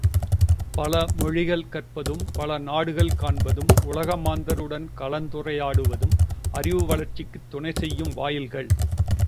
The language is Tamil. பல மொழிகள் கற்பதும் பல நாடுகள் காண்பதும் உலகமாந்தருடன் கலந்துறவாடுவதும் அறிவு வளர்ச்சிக்குத் துணை செய்யும் வாயில்கள்.